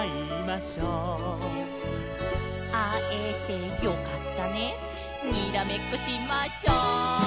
「あえてよかったねにらめっこしましょうー」